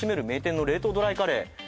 「名店の冷凍ドライカレー」